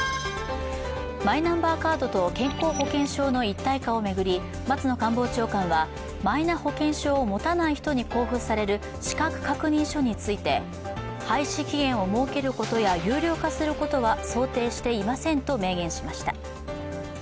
マイナンバーカードと健康保険証の一体化を巡り松野官房長官はマイナ保険証を持たない人に交付される資格確認書について、廃止期限を設けることや有料化することは想定していませんと名言しました。